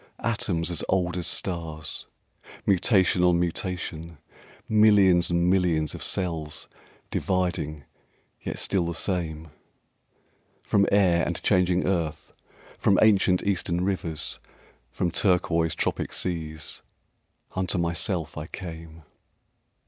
The Voice Atoms as old as stars, Mutation on mutation, Millions and millions of cells Dividing yet still the same, From air and changing earth, From ancient Eastern rivers, From turquoise tropic seas, Unto myself I came.